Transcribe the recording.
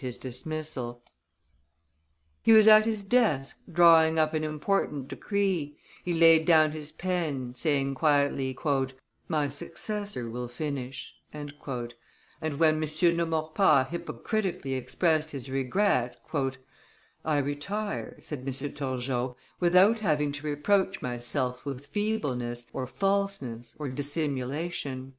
[Illustration: Turgot's Dismissal 367] He was at his desk, drawing up an important decree; he laid down his pen, saying quietly, "My successor will finish;" and when M. de Maurepas hypocritically expressed his regret, "I retire," said M. Turgot, "without having to reproach myself with feebleness, or falseness, or dissimulation."